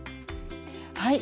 はい。